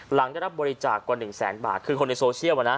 หลังได้รับบริจาคกว่าหนึ่งแสนบาทคือคนในโซเชียลอ่ะนะ